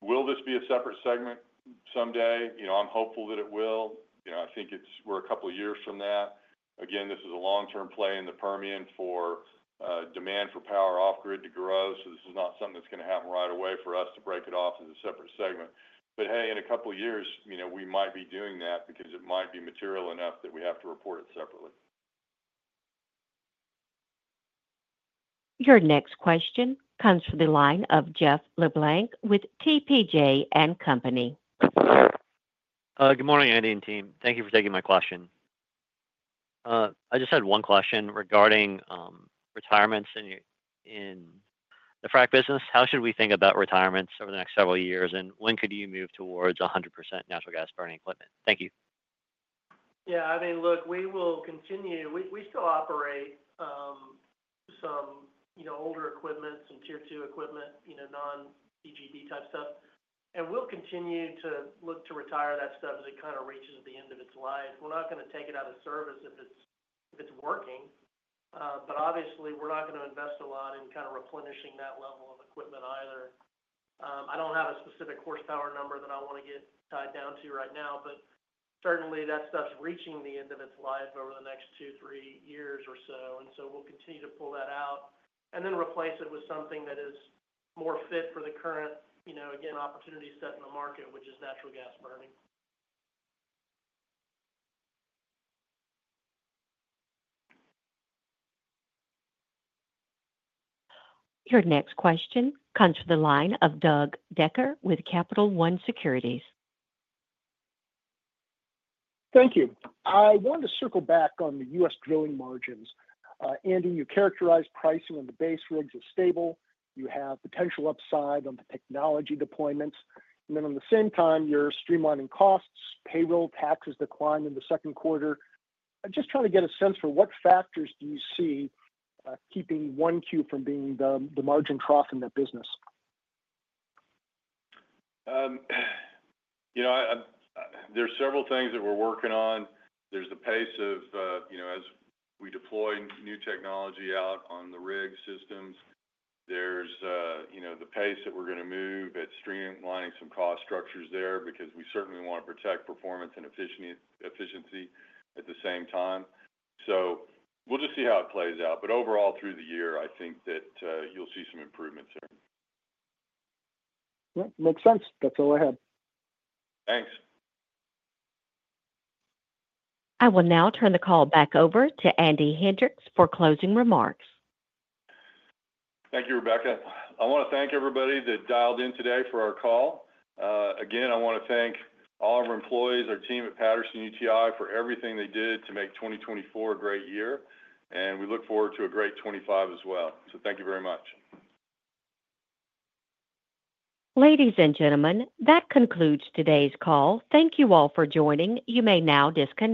Will this be a separate segment someday? I'm hopeful that it will. I think we're a couple of years from that. Again, this is a long-term play in the Permian for demand for power off-grid to grow. So this is not something that's going to happen right away for us to break it off as a separate segment. But hey, in a couple of years, we might be doing that because it might be material enough that we have to report it separately. Your next question comes from the line of Jeff LeBlanc with TPH and Company. Good morning, Andy and team. Thank you for taking my question. I just had one question regarding retirements in the frac business. How should we think about retirements over the next several years, and when could you move towards 100% natural gas burning equipment? Thank you. Yeah. I mean, look, we will continue. We still operate some older equipment, some Tier 2 equipment, non-EGD type stuff. And we'll continue to look to retire that stuff as it kind of reaches the end of its life. We're not going to take it out of service if it's working. But obviously, we're not going to invest a lot in kind of replenishing that level of equipment either. I don't have a specific horsepower number that I want to get tied down to right now, but certainly, that stuff's reaching the end of its life over the next two, three years or so. And so we'll continue to pull that out and then replace it with something that is more fit for the current, again, opportunity set in the market, which is natural gas burning. Your next question comes from the line of Doug Becker with Capital One Securities. Thank you. I wanted to circle back on the U.S. drilling margins. Andy, you characterized pricing on the base rigs as stable. You have potential upside on the technology deployments. And then at the same time, you're streamlining costs. Payroll taxes decline in the Q2. I'm just trying to get a sense for what factors do you see keeping 1Q from being the margin trough in that business? There's several things that we're working on. There's the pace of as we deploy new technology out on the rig systems. There's the pace that we're going to move at streamlining some cost structures there because we certainly want to protect performance and efficiency at the same time. So we'll just see how it plays out. But overall, through the year, I think that you'll see some improvements there. Makes sense. That's all I have. Thanks. I will now turn the call back over to Andy Hendricks for closing remarks. Thank you, Rebecca. I want to thank everybody that dialed in today for our call. Again, I want to thank all of our employees, our team at Patterson-UTI for everything they did to make 2024 a great year, and we look forward to a great 2025 as well, so thank you very much. Ladies and gentlemen, that concludes today's call. Thank you all for joining. You may now disconnect.